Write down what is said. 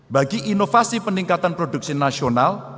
bagi inovasi peningkatan produksi nasional